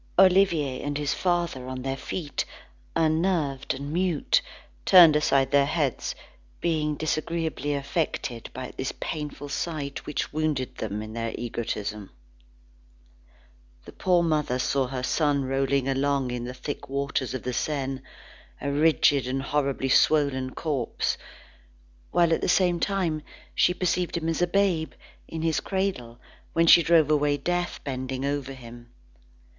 Olivier and his father on their feet, unnerved and mute, turned aside their heads, being disagreeably affected at this painful sight which wounded them in their egotism. The poor mother saw her son rolling along in the thick waters of the Seine, a rigid and horribly swollen corpse; while at the same time, she perceived him a babe, in his cradle, when she drove away death bending over him.